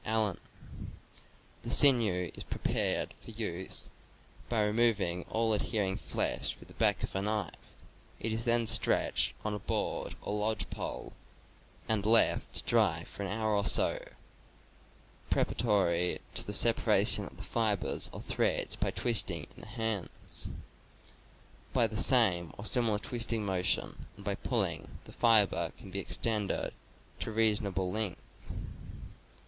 Allen: "The sinew is pre pared for use by first removing all adhering flesh with the back of a knife; it is then stretched on a board or lodge pole and left to dry for an hour or so, preparatory to the separation of the fibers or threads by twisting in the hands. By the same or similar twisting motion, and by pulling, the fiber can be extended to a reason able length.